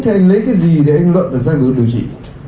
thì anh lấy cái gì để anh luận ra giải quyết điều trị